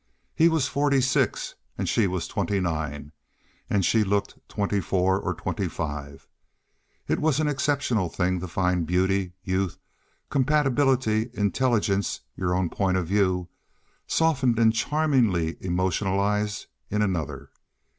He was forty six and she was twenty nine; and she looked twenty four or five. It is an exceptional thing to find beauty, youth, compatibility, intelligence, your own point of view—softened and charmingly emotionalized—in another.